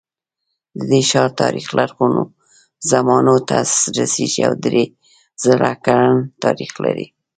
د دې ښار تاریخ لرغونو زمانو ته رسېږي او درې زره کلن تاریخ لري.